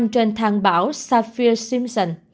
trên thang bão saffir simpson